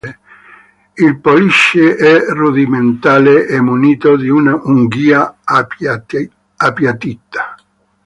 Il pollice è rudimentale e munito di un'unghia appiattita.